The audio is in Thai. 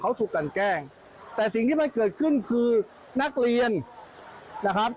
เขาถูกกันแกล้งแต่สิ่งที่มันเกิดขึ้นคือนักเรียนนะครับ